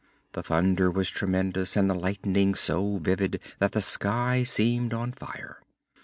The thunder was tremendous and the lightning so vivid that the sky seemed on fire.